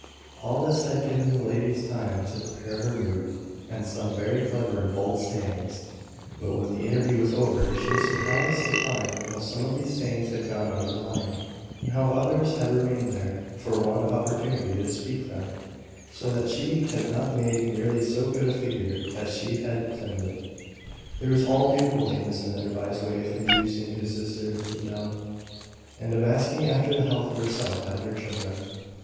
All this had given the lady time to prepare her mood, and some very clever and bold sayings but when the interview was over, she was surprised to find how some of these sayings had gone out of her mind, and how others had remained there, for want of opportunity to speak them; so that she had not made nearly so good a figure as she had intended. There was all due politeness in Enderby's way of inducing his sister to sit down, and of asking after the health of herself and her children.